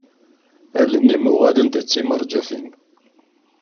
Allen-im uɣalent d timerjatin.